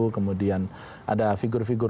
kemudian ada figur figur